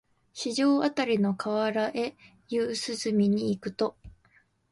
四条あたりの河原へ夕涼みに行くと、